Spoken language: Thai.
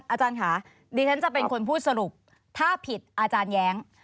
อาจารย์ค่ะดิฉันจะเป็นคนพูดสรุปถ้าผิดอาจารย์แย้ง